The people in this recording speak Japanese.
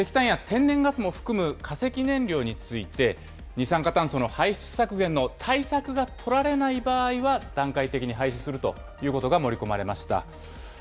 声明では、石炭火力発電、この廃止の時期を明示はせずに、石炭や天然ガスも含む化石燃料について、二酸化炭素の排出削減の対策が取られない場合は、段階的に廃止するということが盛り込まれました。